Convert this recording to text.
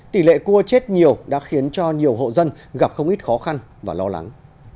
tỷ lệ cua chết nhiều đã khiến cho nhiều hộ dân gặp không ít khó khăn và lo lắng